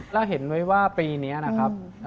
แล้วเห็นไว้ว่าปีนี้นะครับ